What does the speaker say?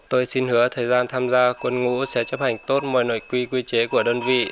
tôi xin hứa thời gian tham gia quân ngũ sẽ chấp hành tốt mọi nội quy quy chế của đơn vị